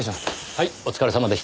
はいお疲れさまでした。